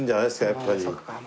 やっぱり。